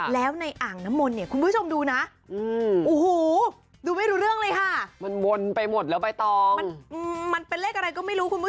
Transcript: แล้วในอ่างน้ำมนต์เนี่ยคุณผู้ชมดูนะโอ้โหดูไม่รู้เรื่องเลยค่ะ